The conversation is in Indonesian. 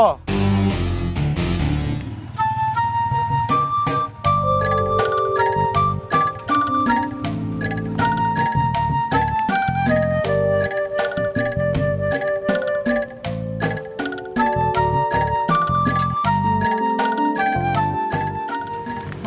untuk taruh kasuskan